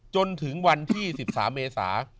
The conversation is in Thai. จนถึงวันที่๑๓เมษา